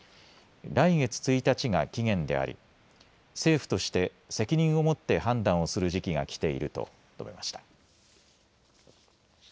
来月１日が期限であり政府として責任をもって判断する時期が来ていると述べました。